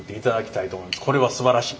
これはすばらしい。